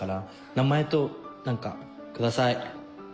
名前と何かください。